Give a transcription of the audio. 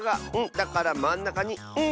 だからまんなかに「ん」。